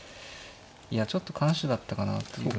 いやちょっと緩手だったかなという。